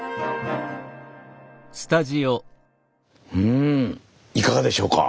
うんいかがでしょうか？